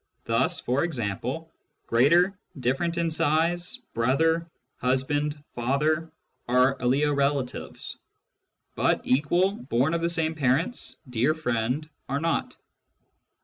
Thus, for example, " greater," " different in size," " brother," " husband," " father " are aliorelatives ; but " equal," " born of the same parents," " dear friend " are not.